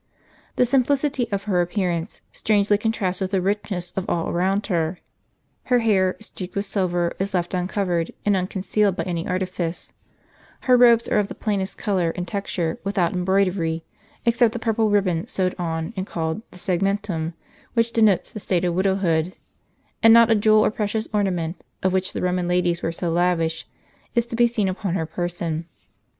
The simplicity of her appearance strangely contrasts with the richness of all around her ; her hair, streaked with silver, is left uncovered, and unconcealed by any artifice ; her robes are of the plainest color and text ure, without embroidery, except the purple ribbon sewed on, and called the segmentwn, which denotes the state of widow hood ; and not a jewel or precious ornament, of which the Roman ladies were so lavish, is to be seen upon her person.